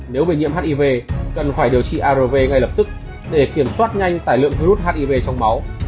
nếu bị nhiễm hiv cần phải điều trị arv ngay lập tức để kiểm soát nhanh tài lượng virus hiv trong máu